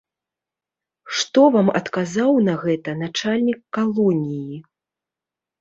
Што вам адказаў на гэта начальнік калоніі?